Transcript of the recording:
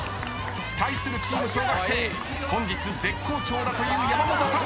対するチーム小学生本日絶好調だという山本さん